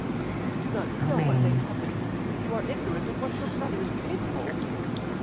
you do not know what may happen, you are ignorant of what your brother is capable."